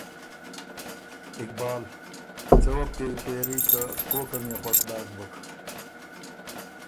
اقبال: څۀ وه بو کېوی پېری که کوکه ميې خوش داک بُک،